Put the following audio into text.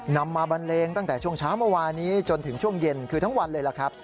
นำมาบันเลงตั้งแต่ช่วงเช้าเมื่อวานนี้จนถึงช่วงเย็นคือทั้งวันเลยล่ะครับ